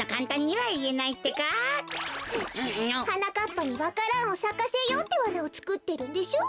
はなかっぱにわか蘭をさかせようってわなをつくってるんでしょう。